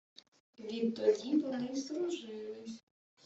Відтоді вони й здружились.